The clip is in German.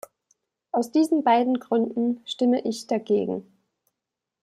Aus diesen beiden Gründen stimme ich dagegen.